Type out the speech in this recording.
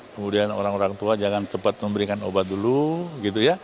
kemudian orang orang tua jangan cepat memberikan obat dulu